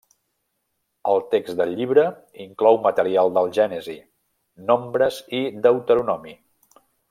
El text del Llibre inclou material de Gènesi, Nombres i Deuteronomi.